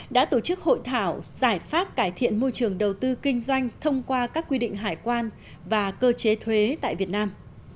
đã tổ chức hội thảo giải pháp cải thiện môi trường đầu tư kinh doanh thông qua các quy định hải quan và cơ chế thuế tại việt nam